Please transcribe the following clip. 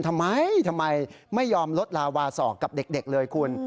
ทำไมทำไมไม่ยอมลดลาวาสอกกับเด็กเลยคุณ